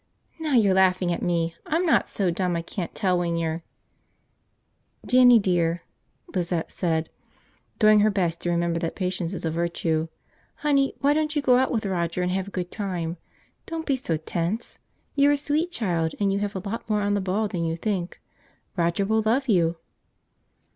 "Now you're laughing at me! I'm not so dumb I can't tell when you're ..." "Jinny, dear," Lizette said, doing her best to remember that patience is a virtue, "honey, why don't you go out with Roger and have a good time? Don't be so tense. You're a sweet child and you have a lot more on the ball than you think. Roger will love you."